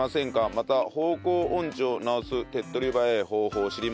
また方向音痴を治す手っ取り早い方法を知りませんか？